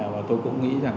và tôi cũng nghĩ rằng